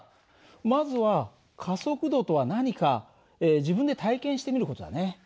まずは加速度とは何か自分で体験してみる事だね。